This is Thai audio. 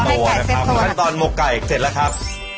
เดี๋ยวเรามาให้ไก่เซ็นโทน